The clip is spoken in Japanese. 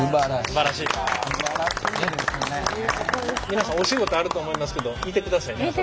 皆さんお仕事あると思いますけど見てくださいね。